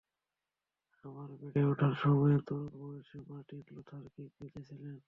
আমার বেড়ে ওঠার সময়ে, তরুণ বয়সে মার্টিন লুথার কিং বেঁচে ছিলেন।